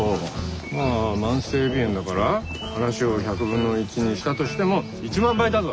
まあ慢性鼻炎だから話を１００分の１にしたとしても１万倍だぞ。